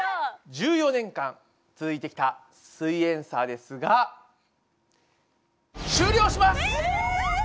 １４年間続いてきた「すイエんサー」ですがえっ！